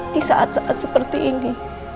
di saat saat seperti ini